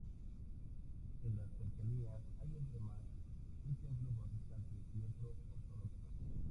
En las cercanías hay además un templo protestante y otro ortodoxo.